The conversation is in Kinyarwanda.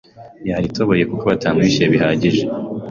Yaritobeye kuko batamwishyuye bihagije.